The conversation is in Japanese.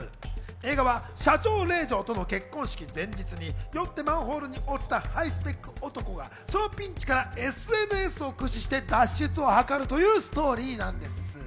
映画は社長令嬢との結婚式前日に、酔ってマンホールに落ちたハイスペック男がそのピンチからＳＮＳを駆使して、脱出を図るというストーリーなんです。